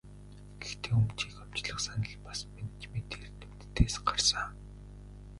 Гэхдээ өмчийг хувьчлах санал бас менежментийн эрдэмтдээс гарсан.